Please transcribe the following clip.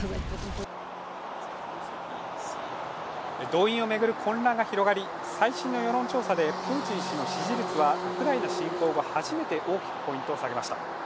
動員を巡る混乱が広がり、最新の世論調査でプーチン氏の支持率はウクライナ侵攻後初めて大きくポイントを下げました。